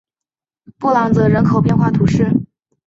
布朗泽人口变化图示